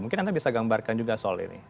mungkin anda bisa gambarkan juga soal ini